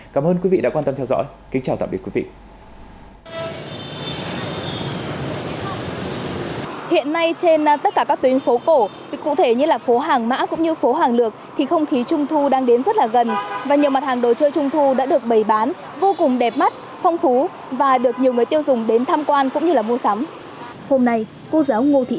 cảm ơn quý vị đã quan tâm theo dõi kính chào tạm biệt quý vị